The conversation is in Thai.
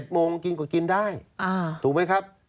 โมงกินก็กินได้ถูกไหมครับ